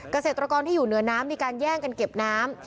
เกษตรกรที่อยู่เหนือน้ำมีการแย่งกันเก็บน้ำ